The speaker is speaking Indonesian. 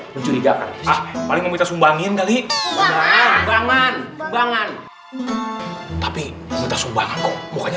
mencurigakan paling meminta sumbangan kali bangan bangan tapi minta sumbangan kok mukanya